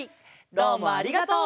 どうもありがとう！